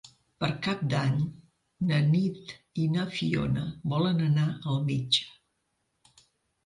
Per Cap d'Any na Nit i na Fiona volen anar al metge.